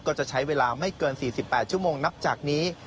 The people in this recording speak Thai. ก็จะใช้เวลาไม่เกิน๔๘ชั่วโมงนับจากนี้